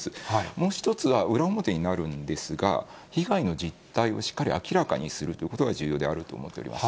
もう１つは、裏表になるんですが、被害の実態をしっかり明らかにするということが重要であると思っております。